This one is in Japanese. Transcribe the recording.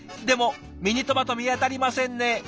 でもミニトマト見当たりませんね。